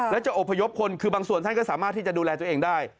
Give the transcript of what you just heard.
และจะอบพยพคนคือบางส่วนท่านก็สามารถที่จะดูแลตัวเองได้